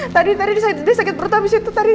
tadi dia sakit perut abis itu